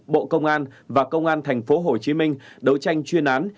bộ công an và công an thành phố hồ chí minh đấu tranh chuyên án